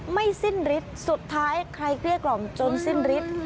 ไม่สิ้นฤทธิ์สุดท้ายใครเกลี้ยกล่อมจนสิ้นฤทธิ์